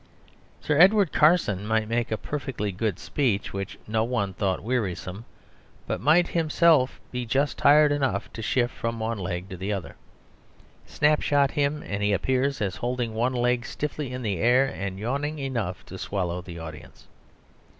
Sir Edward Carson might make a perfectly good speech, which no one thought wearisome, but might himself be just tired enough to shift from one leg to the other. Snapshot him, and he appears as holding one leg stiffly in the air and yawning enough to swallow the audience.